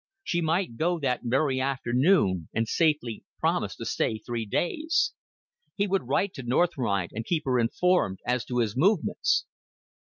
She might go that very afternoon, and safely promise to stay three days. He would write to North Ride and keep her informed as to his movements.